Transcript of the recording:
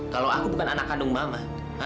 kalau aku bukan anak kandung mama